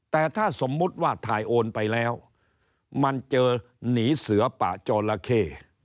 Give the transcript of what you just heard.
แต่ถ้าสมมุติว่าถ่ายโอนไปแล้วมันเจอหนีเสือป่าจอละเข้